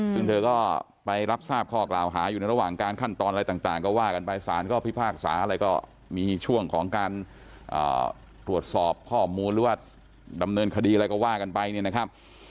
ซึ่งเธอก็ไปรับทราบข้อกล่าวหาอยู่ในระหว่างการขั้นตอนอะไรต่างก็ว่ากันไปสารก็พิพากษาอะไรก็มีช่วงของการตรวจสอบข้อมูลหรือว่าดำเนินคดีอะไรก็ว่ากันไปเนี่ยนะครับ